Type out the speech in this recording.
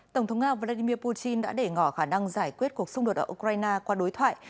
tổng thống nga vladimir putin đã để ngỏ khả năng giải quyết cuộc xung đột ở ukraine qua đối thoại